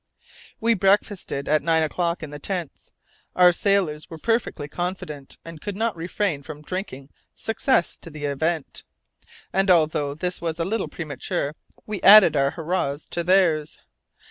We breakfasted at nine o'clock in the tents. Our sailors were perfectly confident, and could not refrain from drinking "success to the event"; and although this was a little premature, we added our hurrahs to theirs.